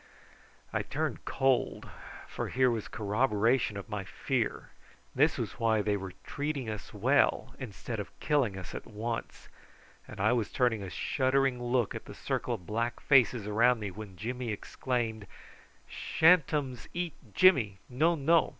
I turned cold, for here was corroboration of my fear. This was why they were treating us well instead of killing us at once; and I was turning a shuddering look at the circle of black faces around me when Jimmy exclaimed: "Sha'n't ums eat Jimmy. No, no.